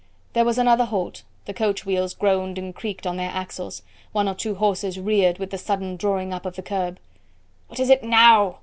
There was another halt, the coach wheels groaned and creaked on their axles, one or two horses reared with the sudden drawing up of the curb. "What is it now?"